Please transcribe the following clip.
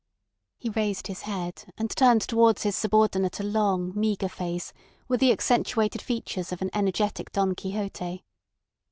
He raised his head, and turned towards his subordinate a long, meagre face with the accentuated features of an energetic Don Quixote.